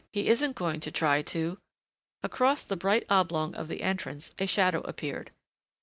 He isn't going to try to " Across the bright oblong of the entrance a shadow appeared.